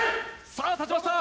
さあ立ちました